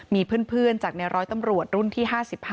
มีเพื่อนจากในร้อยตำรวจรุ่นที่๕๕